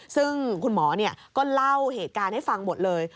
ซึ่งคุณหมอก็เล่าเหตุการณ์ให้ฟังหมดเลย